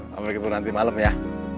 sampai ketemu nanti malem ya